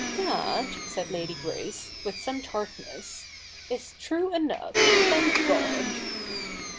' That,' said Lady Grace, with some tartness, ' is true enough, thank God